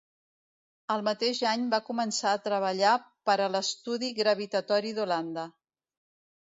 El mateix any va començar a treballar per a l'Estudi Gravitatori d'Holanda.